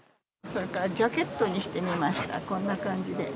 ジャケットにしてみました、こんな感じで。